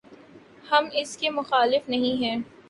ہم اس کے مخالف نہیں ہیں۔